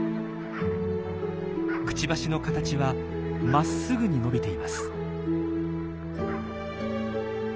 クチバシの形はまっすぐに伸びています。